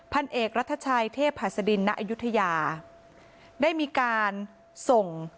พันเอกรัฐชัยเทพหัสดินณอายุทยาได้มีการส่ง